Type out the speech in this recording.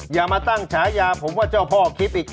อย่ามาตั้งฉายาผมว่าเจ้าพ่อคลิปอีก